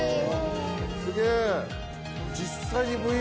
すげえ！